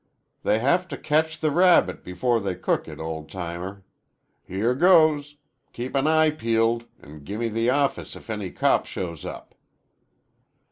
"They have to catch the rabbit before they cook it, old timer. Here goes. Keep an eye peeled an' gimme the office if any cop shows up."